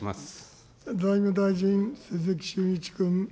財務大臣、鈴木俊一君。